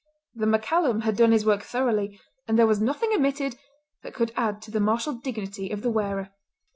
The MacCallum had done his work thoroughly, and there was nothing omitted that could add to the martial dignity of the wearer.